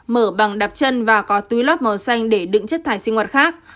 mở bằng đạp chân và có túi lót màu xanh để đựng chất thải sinh hoạt khác